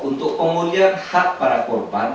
untuk pemulihan hak para korban